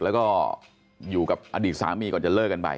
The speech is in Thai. แล้วก็อยู่กับอดีตสามีก่อนจะเริ่ม